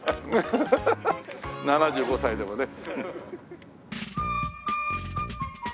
７５歳でもね。